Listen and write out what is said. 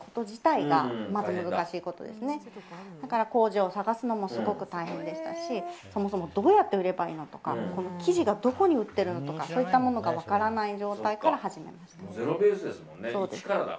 工場を探すのもすごく大変でしたしそもそもどうやって売ればいいのか生地がどこに売っているのかとかそういったものが分からない状態から始めました。